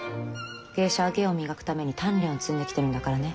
芸者は芸を磨くために鍛錬を積んできてるんだからね。